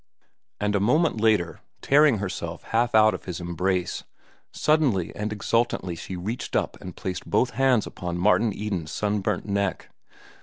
And a moment later, tearing herself half out of his embrace, suddenly and exultantly she reached up and placed both hands upon Martin Eden's sunburnt neck.